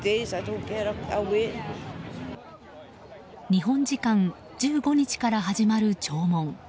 日本時間１５日から始まる弔問。